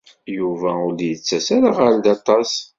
Yuba ur d-yettas ara ɣer da aṭas.